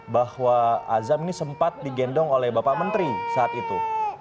bahwa azam ini sempat digendong oleh bapak menteri saat itu